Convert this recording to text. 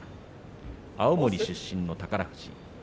青森出身の宝富士。